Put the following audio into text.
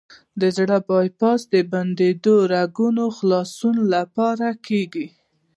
د زړه بای پاس د بندو رګونو د خلاصون لپاره کېږي.